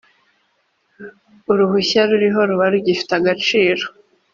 uruhushya ruriho ruba rugifite agaciro.